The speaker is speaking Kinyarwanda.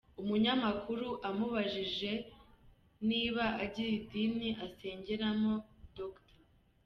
Umunyamakuru amubajije niba agira idini asengeramo, Dr.